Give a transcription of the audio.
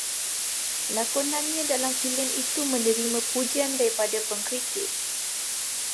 Lakonannya dalam filem itu menerima pujian daripada pengkritik